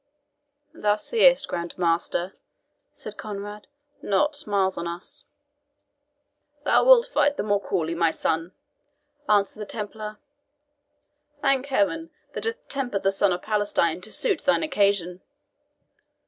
"Thou seest, Grand Master," said Conrade, "nought smiles on us." "Thou wilt fight the more coolly, my son," answered the Templar; "thank Heaven, that hath tempered the sun of Palestine to suit thine occasion."